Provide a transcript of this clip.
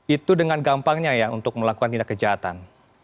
itu dengan gampangnya ya untuk melakukan tindak kejahatan